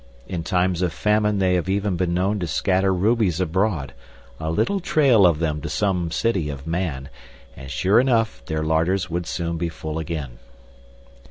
In times of famine they have even been known to scatter rubies abroad, a little trail of them to some city of Man, and sure enough their larders would soon be full again.